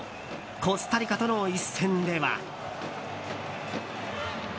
コスタリカとの一戦では。